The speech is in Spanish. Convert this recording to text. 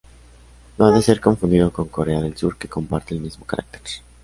No ha de ser confundido con Corea del Sur que comparte el mismo carácter.